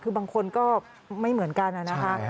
คือบางคนก็ไม่เหมือนกันนะคะ